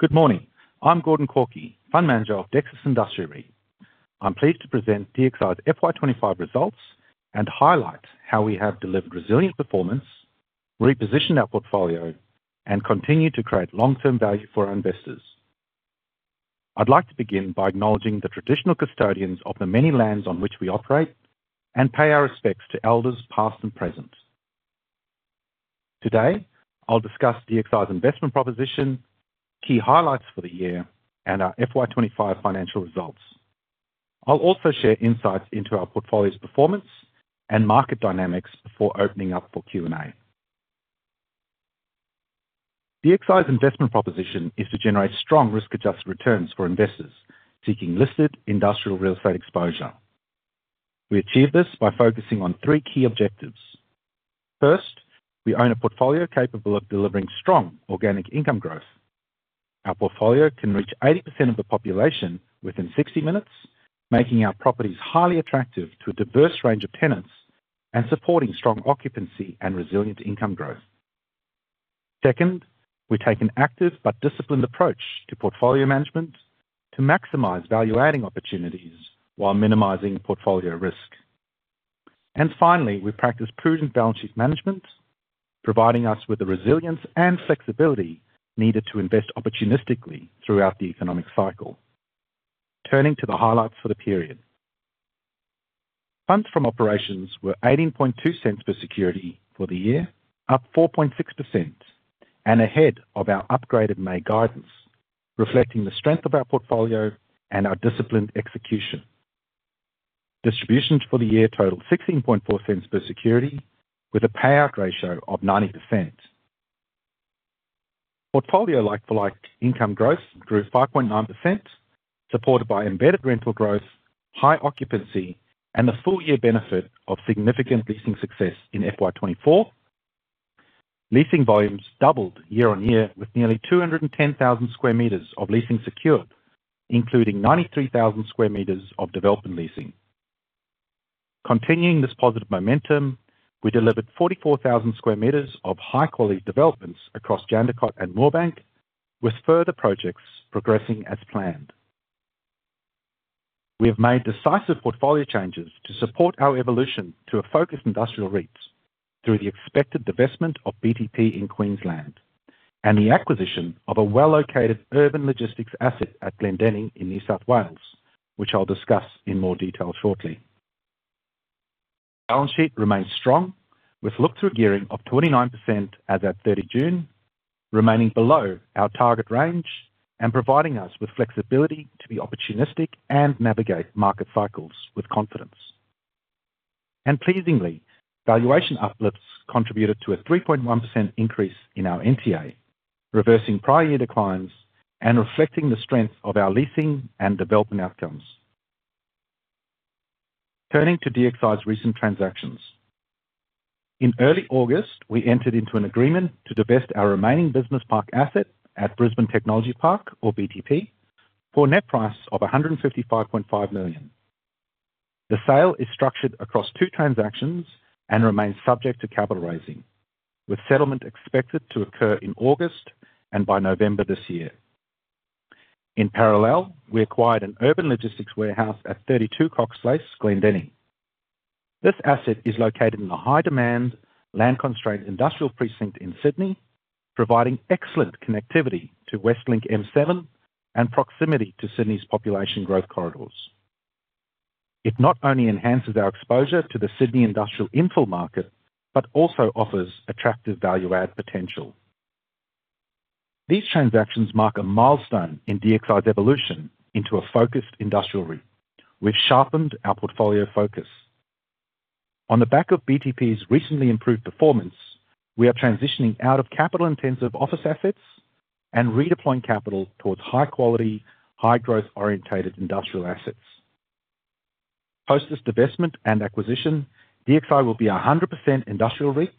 Good morning. I'm Gordon Korkie, Fund Manager of Dexus Industria REIT. I'm pleased to present DXI's FY 2025 results and highlight how we have delivered resilient performance, repositioned our portfolio, and continued to create long-term value for our investors. I'd like to begin by acknowledging the traditional custodians of the many lands on which we operate and pay our respects to elders past and present. Today, I'll discuss DXI's investment proposition, key highlights for the year, and our FY 2025 financial results. I'll also share insights into our portfolio's performance and market dynamics before opening up for Q&A. DXI's investment proposition is to generate strong risk-adjusted returns for investors seeking listed industrial real estate exposure. We achieve this by focusing on three key objectives. First, we own a portfolio capable of delivering strong organic income growth. Our portfolio can reach 80% of the population within 60 minutes, making our properties highly attractive to a diverse range of tenants and supporting strong occupancy and resilient income growth. Second, we take an active but disciplined approach to portfolio management to maximize value-adding opportunities while minimizing portfolio risk. Finally, we practice prudent balance sheet management, providing us with the resilience and flexibility needed to invest opportunistically throughout the economic cycle. Turning to the highlights for the period, funds from operations were $0.182 per security for the year, up 4.6% and ahead of our upgraded May guidance, reflecting the strength of our portfolio and our disciplined execution. Distributions for the year total $0.164 per security with a payout ratio of 90%. Portfolio like-for-like income growth grew 5.9%, supported by embedded rental growth, high occupancy, and the full-year benefit of significant leasing success in FY 2024. Leasing volumes doubled year on year, with nearly 210,000 square meters of leasing secured, including 93,000 square meters of development leasing. Continuing this positive momentum, we delivered 44,000 square meters of high-quality developments across Jandakot and Moorebank, with further projects progressing as planned. We have made decisive portfolio changes to support our evolution to a focused industrial real estate investment trust through the expected divestment of BTP in Queensland and the acquisition of a well-located urban logistics asset at Glendenning in New South Wales, which I'll discuss in more detail shortly. Balance sheet remains strong with look-through gearing of 29% as of 30th June, remaining below our target range and providing us with flexibility to be opportunistic and navigate market cycles with confidence. Pleasingly, valuation uplifts contributed to a 3.1% increase in our NTA, reversing prior year declines and reflecting the strength of our leasing and development outcomes. Turning to DXI's recent transactions, in early August, we entered into an agreement to divest our remaining business park asset at Brisbane Technology Park, or BTP, for a net price of $155.5 million. The sale is structured across two transactions and remains subject to capital raising, with settlement expected to occur in August and by November this year. In parallel, we acquired an urban logistics warehouse at 32 Cox Place, Glendenning. This asset is located in a high-demand, land-constrained industrial precinct in Sydney, providing excellent connectivity to Westlink M7 and proximity to Sydney's population growth corridors. It not only enhances our exposure to the Sydney industrial infill market but also offers attractive value-add potential. These transactions mark a milestone in DXI's evolution into a focused industrial REIT, which sharpened our portfolio focus. On the back of BTP's recently improved performance, we are transitioning out of capital-intensive office assets and redeploying capital towards high-quality, high-growth-oriented industrial assets. Post this divestment and acquisition, DXI will be a 100% industrial REIT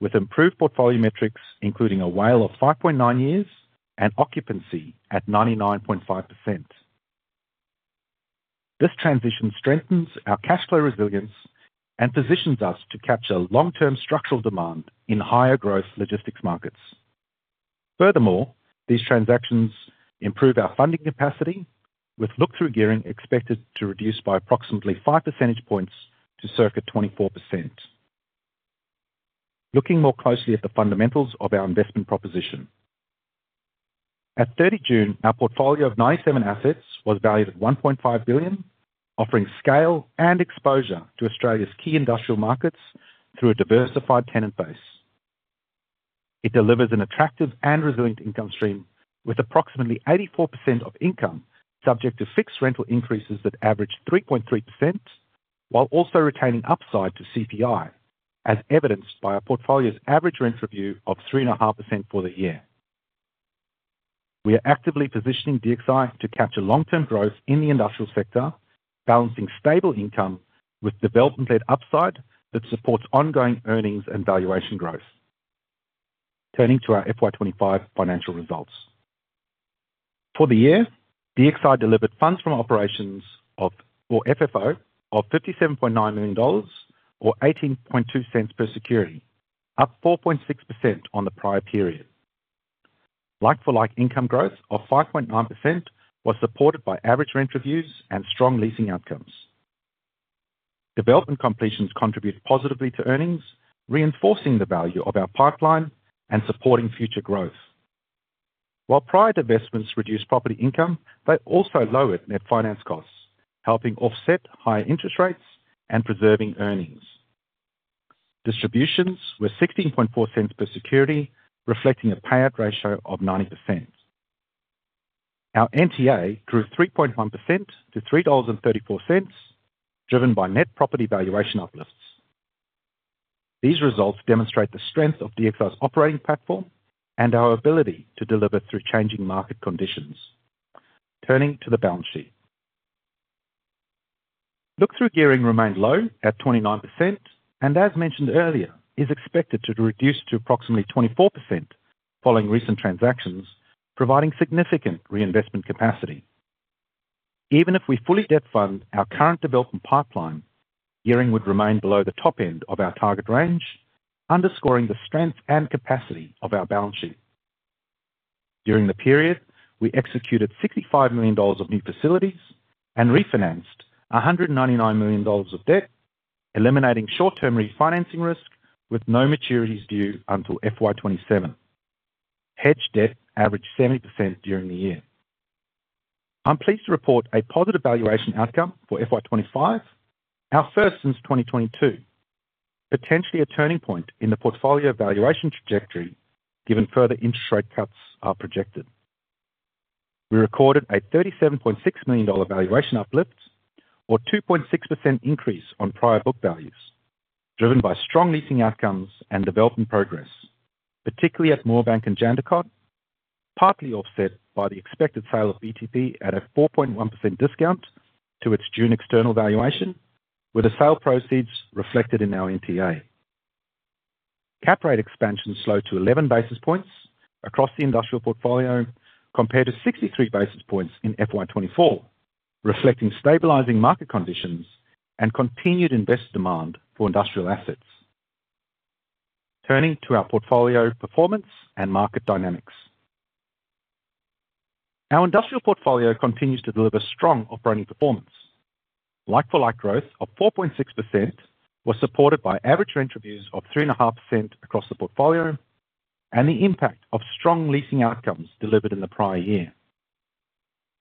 with improved portfolio metrics, including a WALE of 5.9 years and occupancy at 99.5%. This transition strengthens our cash flow resilience and positions us to capture long-term structural demand in higher-growth logistics markets. Furthermore, these transactions improve our funding capacity, with look-through gearing expected to reduce by approximately five percentage points to circa 24%. Looking more closely at the fundamentals of our investment proposition, at 30 June, our portfolio of 97 assets was valued at $1.5 billion, offering scale and exposure to Australia's key industrial markets through a diversified tenant base. It delivers an attractive and resilient income stream with approximately 84% of income subject to fixed rental increases that average 3.3%, while also retaining upside to CPI, as evidenced by our portfolio's average rental review of 3.5% for the year. We are actively positioning DXI to capture long-term growth in the industrial sector, balancing stable income with development-led upside that supports ongoing earnings and valuation growth. Turning to our FY 2025 financial results. For the year, DXI delivered funds from operations, or FFO, of $57.9 million or $0.182 per security, up 4.6% on the prior period. Like-for-like income growth of 5.9% was supported by average rent reviews and strong leasing outcomes. Development completions contribute positively to earnings, reinforcing the value of our pipeline and supporting future growth. While prior divestments reduced property income, they also lowered net finance costs, helping offset higher interest rates and preserving earnings. Distribution was $0.164 per security, reflecting a payout ratio of 90%. Our NTA grew 3.1% to $3.34, driven by net property valuation uplifts. These results demonstrate the strength of DXI's operating platform and our ability to deliver through changing market conditions. Turning to the balance sheet, look-through gearing remained low at 29% and, as mentioned earlier, is expected to reduce to approximately 24% following recent transactions, providing significant reinvestment capacity. Even if we fully debt fund our current development pipeline, gearing would remain below the top end of our target range, underscoring the strength and capacity of our balance sheet. During the period, we executed $65 million of new facilities and refinanced $199 million of debt, eliminating short-term refinancing risk with no maturities due until FY 2027. Hedge debt averaged 70% during the year. I'm pleased to report a positive valuation outcome for FY 2025, our first since 2022, potentially a turning point in the portfolio valuation trajectory given further interest rate cuts are projected. We recorded a $37.6 million valuation uplift, or a 2.6% increase on prior book values, driven by strong leasing outcomes and development progress, particularly at Moorebank and Jandakot, partly offset by the expected sale of BTP at a 4.1% discount to its June external valuation, with the sale proceeds reflected in our NTA. Cap rate expansion slowed to 11 basis points across the industrial portfolio compared to 63 basis points in FY 2024, reflecting stabilizing market conditions and continued investor demand for industrial assets. Turning to our portfolio performance and market dynamics, our industrial portfolio continues to deliver strong operating performance. Like-for-like growth of 4.6% was supported by average rent reviews of 3.5% across the portfolio and the impact of strong leasing outcomes delivered in the prior year.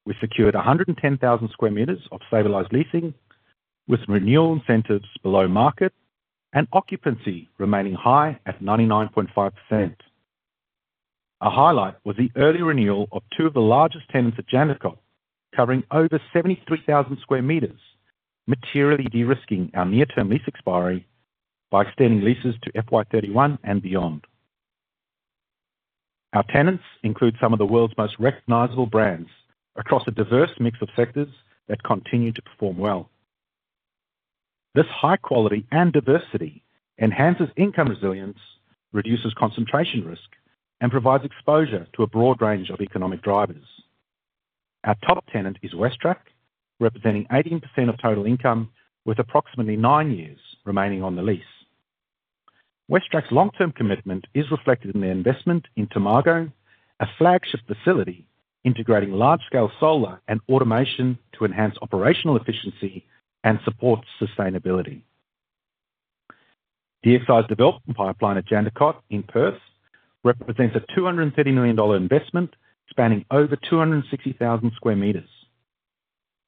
We secured 110,000 square meters of stabilized leasing with renewal incentives below market and occupancy remaining high at 99.5%. A highlight was the early renewal of two of the largest tenants at Jandakot, covering over 73,000 square meters, materially de-risking our near-term lease expiry by extending leases to FY 2031 and beyond. Our tenants include some of the world's most recognizable brands across a diverse mix of sectors that continue to perform well. This high quality and diversity enhances income resilience, reduces concentration risk, and provides exposure to a broad range of economic drivers. Our top tenant is Westrac, representing 18% of total income, with approximately nine years remaining on the lease. Westrac's long-term commitment is reflected in their investment in Tomago, a flagship facility integrating large-scale solar and automation to enhance operational efficiency and support sustainability. DXI's development pipeline at Jandakot in Perth represents a $230 million investment spanning over 260,000 square meters.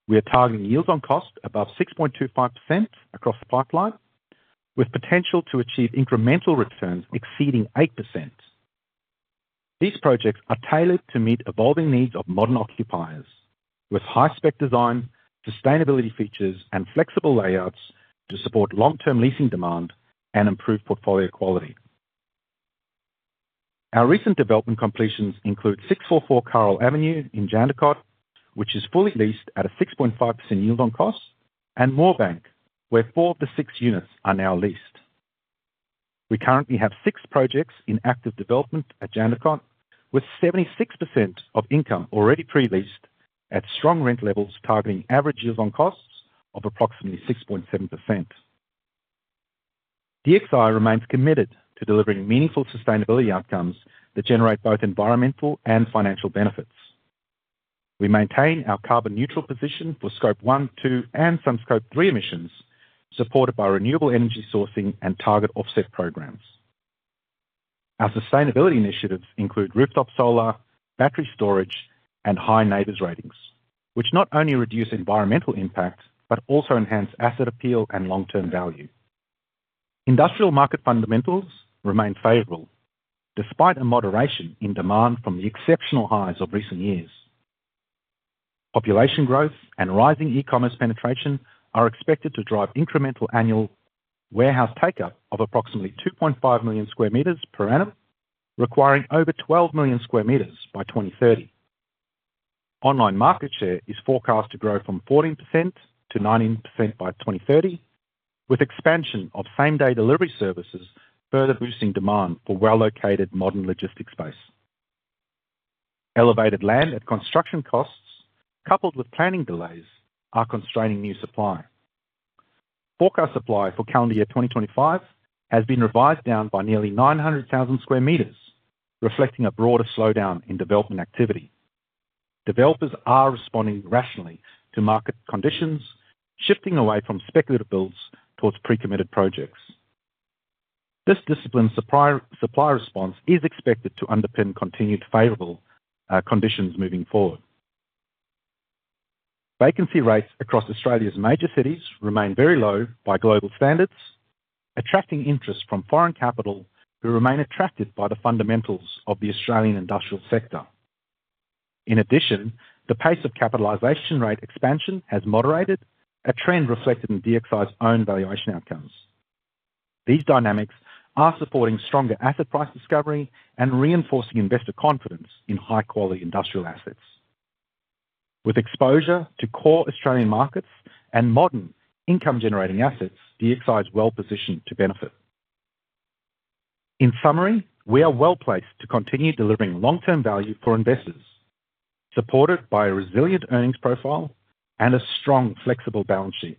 We are targeting yields on cost above 6.25% across the pipeline, with potential to achieve incremental returns exceeding 8%. These projects are tailored to meet evolving needs of modern occupiers, with high-spec designs, sustainability features, and flexible layouts to support long-term leasing demand and improve portfolio quality. Our recent development completions include 644 Karel Avenue in Jandakot, which is fully leased at a 6.5% yield on cost, and Moorebank, where four of the six units are now leased. We currently have six projects in active development at Jandakot, with 76% of income already pre-leased at strong rent levels, targeting average yield on costs of approximately 6.7%. DXI remains committed to delivering meaningful sustainability outcomes that generate both environmental and financial benefits. We maintain our carbon-neutral position for Scope 1, 2, and some Scope 3 emissions, supported by renewable energy sourcing and target offset programs. Our sustainability initiatives include rooftop solar, battery storage, and high NABERS ratings, which not only reduce environmental impact but also enhance asset appeal and long-term value. Industrial market fundamentals remain favorable, despite a moderation in demand from the exceptional highs of recent years. Population growth and rising e-commerce penetration are expected to drive incremental annual warehouse take-up of approximately 2.5 million sq m per annum, requiring over 12 million sq m by 2030. Online market share is forecast to grow from 14% to 19% by 2030, with expansion of same-day delivery services further boosting demand for well-located modern logistics base. Elevated land and construction costs, coupled with planning delays, are constraining new supply. Forecast supply for calendar year 2025 has been revised down by nearly 900,000 sq m, reflecting a broader slowdown in development activity. Developers are responding rationally to market conditions, shifting away from speculative builds towards pre-committed projects. This disciplined supply response is expected to underpin continued favorable conditions moving forward. Vacancy rates across Australia's major cities remain very low by global standards, attracting interest from foreign capital who remain attracted by the fundamentals of the Australian industrial sector. In addition, the pace of capitalization rate expansion has moderated, a trend reflected in DXI's own valuation outcomes. These dynamics are supporting stronger asset price discovery and reinforcing investor confidence in high-quality industrial assets. With exposure to core Australian markets and modern income-generating assets, DXI is well positioned to benefit. In summary, we are well placed to continue delivering long-term value for investors, supported by a resilient earnings profile and a strong, flexible balance sheet.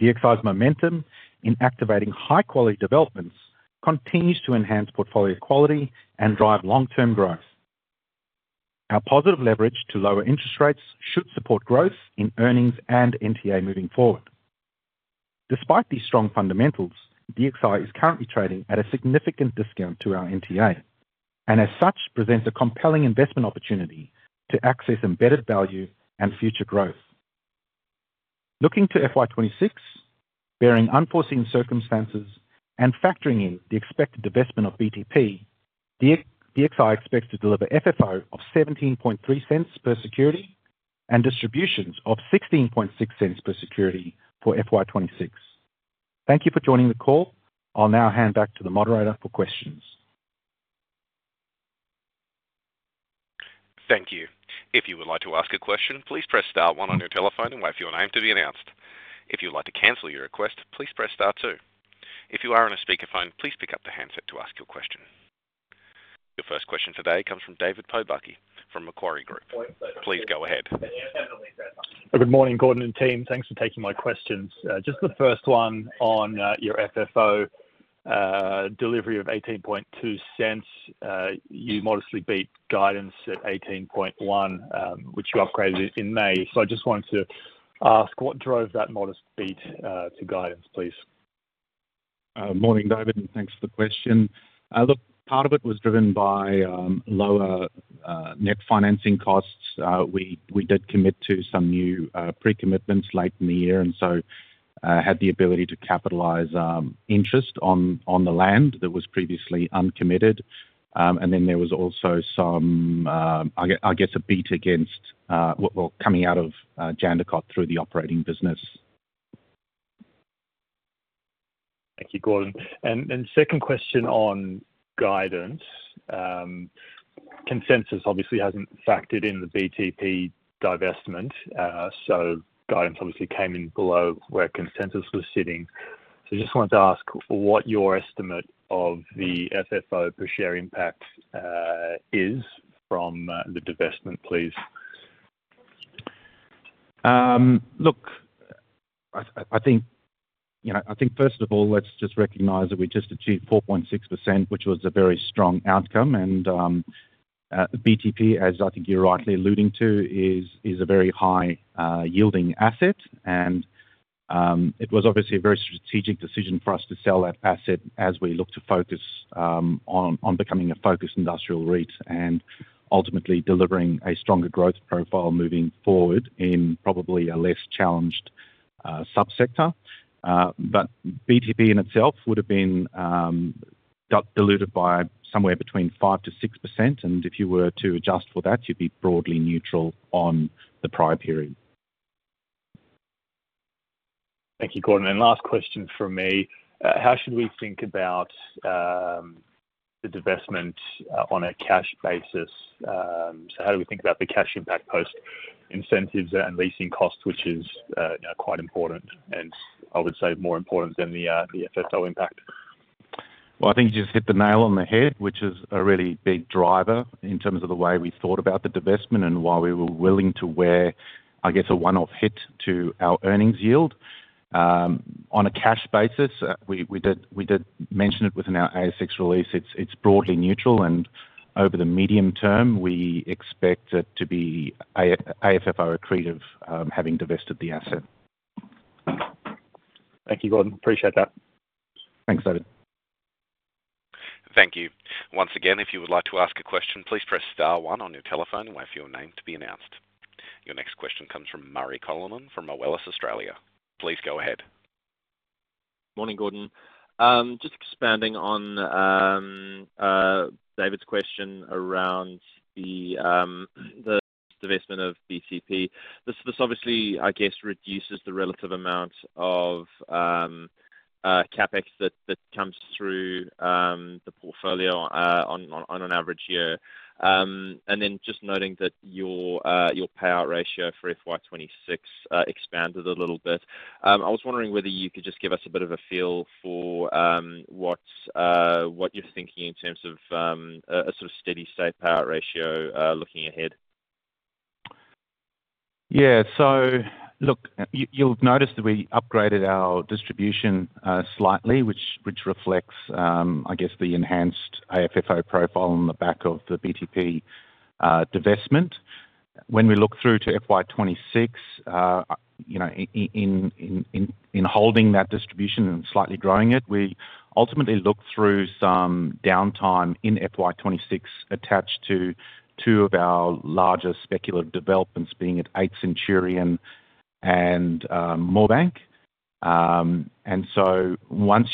DXI's momentum in activating high-quality developments continues to enhance portfolio quality and drive long-term growth. Our positive leverage to lower interest rates should support growth in earnings and NTA moving forward. Despite these strong fundamentals, DXI is currently trading at a significant discount to our NTA and, as such, presents a compelling investment opportunity to access embedded value and future growth. Looking to FY 2026, bearing unforeseen circumstances and factoring in the expected divestment of BTP, DXI expects to deliver FFO of $0.173 per security and distributions of $0.166 per security for FY 2026. Thank you for joining the call. I'll now hand back to the moderator for questions. Thank you. If you would like to ask a question, please press star one on your telephone and wait for your name to be announced. If you would like to cancel your request, please press star two. If you are on a speaker phone, please pick up the handset to ask your question. Your first question today comes from David Pobucky from Macquarie Group. Please go ahead. Good morning, Gordon and team. Thanks for taking my questions. Just got the first one on your FFO delivery of $0.182. You modestly beat guidance at $0.181, which you upgraded in May. I just wanted to ask what drove that modest beat to guidance, please. Morning, David, and thanks for the question. Part of it was driven by lower net financing costs. We did commit to some new pre-commitments late in the year and had the ability to capitalize interest on the land that was previously uncommitted. There was also, I guess, a beat against what was coming out of Jandakot through the operating business. Thank you, Gordon. Second question on guidance. Consensus obviously hasn't factored in the BTP divestment, so guidance obviously came in below where consensus was sitting. I just wanted to ask what your estimate of the FFO per share impact is from the divestment, please. I think, first of all, let's just recognize that we just achieved 4.6%, which was a very strong outcome. BTP, as I think you're rightly alluding to, is a very high-yielding asset. It was obviously a very strategic decision for us to sell that asset as we look to focus on becoming a focused industrial REIT and ultimately delivering a stronger growth profile moving forward in probably a less challenged subsector. BTP in itself would have been diluted by somewhere between 5%-6%. If you were to adjust for that, you'd be broadly neutral on the prior period. Thank you, Gordon. Last question from me. How should we think about the divestment on a cash basis? How do we think about the cash impact post incentives and leasing costs, which is quite important and I would say more important than the FFO impact? I think you just hit the nail on the head, which is a really big driver in terms of the way we thought about the divestment and why we were willing to wear, I guess, a one-off hit to our earnings yield. On a cash basis, we did mention it within our ASX release. It's broadly neutral, and over the medium term, we expect it to be FFO accretive having divested the asset. Thank you, Gordon. Appreciate that. Thanks, David. Thank you. Once again, if you would like to ask a question, please press star one on your telephone and wait for your name to be announced. Your next question comes from Murray Coleman from Owellus, Australia. Please go ahead. Morning, Gordon. Just expanding on David's question around the divestment of BTP. This obviously, I guess, reduces the relative amount of CapEx that comes through the portfolio on an average year. Just noting that your payout ratio for FY 2026 expanded a little bit. I was wondering whether you could just give us a bit of a feel for what you're thinking in terms of a sort of steady-state payout ratio looking ahead. Yeah. Look, you'll notice that we upgraded our distribution slightly, which reflects, I guess, the enhanced FFO profile on the back of the BTP divestment. When we look through to FY 2026, in holding that distribution and slightly growing it, we ultimately looked through some downtime in FY 2026 attached to two of our larger speculative developments, being at 8 Centurion and Moorebank. Once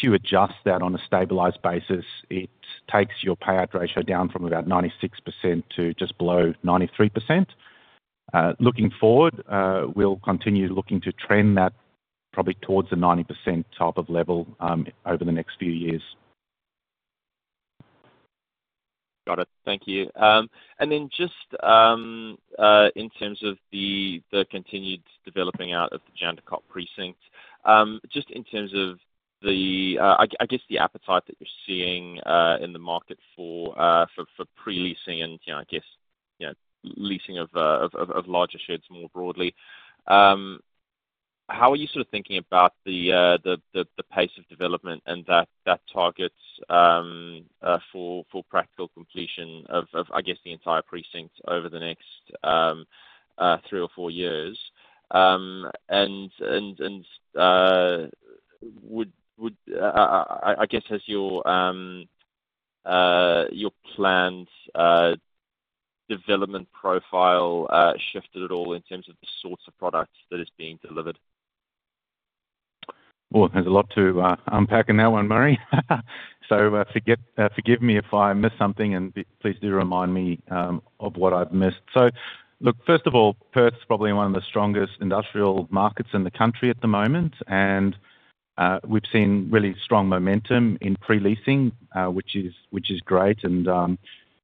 you adjust that on a stabilized basis, it takes your payout ratio down from about 96% to just below 93%. Looking forward, we'll continue looking to trend that probably towards a 90% type of level over the next few years. Thank you. In terms of the continued developing out of the Jandakot precinct, in terms of the appetite that you're seeing in the market for pre-leasing and leasing of larger sheds more broadly, how are you sort of thinking about the pace of development and that target for practical completion of the entire precinct over the next three or four years? Has your planned development profile shifted at all in terms of the sorts of products that are being delivered? There's a lot to unpack in that one, Murray. Forgive me if I missed something, and please do remind me of what I've missed. First of all, Perth is probably one of the strongest industrial markets in the country at the moment. We've seen really strong momentum in pre-leasing, which is great.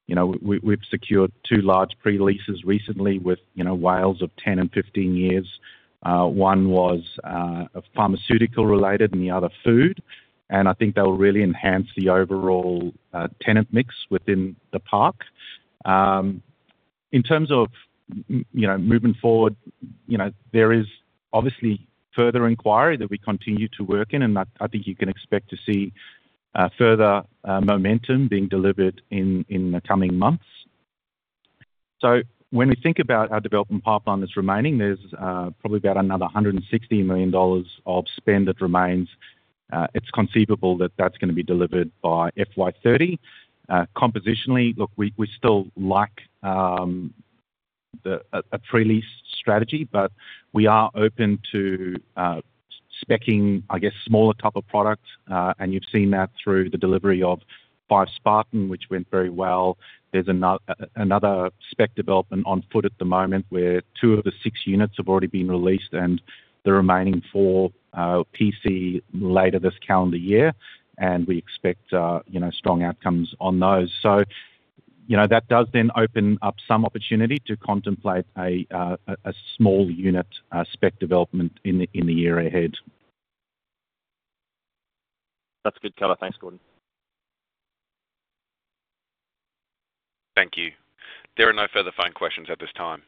We've secured two large pre-leases recently with WALEs of 10 and 15 years. One was pharmaceutical-related and the other food. I think that will really enhance the overall tenant mix within the park. In terms of moving forward, there is obviously further inquiry that we continue to work in. I think you can expect to see further momentum being delivered in the coming months. When we think about our development pipeline that's remaining, there's probably about another $160 million of spend that remains. It's conceivable that that's going to be delivered by FY 2030. Compositionally, we still like a pre-lease strategy, but we are open to specing, I guess, smaller type of product. You've seen that through the delivery of 5 Spartan, which went very well. There's another spec development on foot at the moment where two of the six units have already been released and the remaining four PC later this calendar year. We expect strong outcomes on those. That does then open up some opportunity to contemplate a small unit spec development in the year ahead. That's a good cover. Thanks, Gordon. Thank you. There are no further phone questions at this time.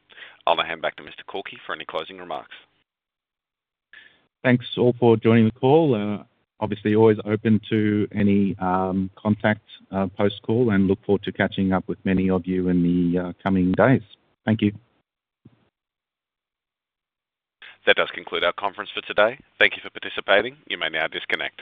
I'll now hand back to Mr. Korkie for any closing remarks. Thanks all for joining the call. Obviously, always open to any contact post-call and look forward to catching up with many of you in the coming days. Thank you. That does conclude our conference for today. Thank you for participating. You may now disconnect.